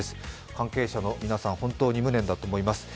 関係者の皆さん、本当に無念だと思います。